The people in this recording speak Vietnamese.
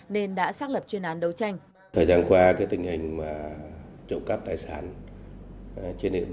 nên đã xác lập chuyên án đấu tranh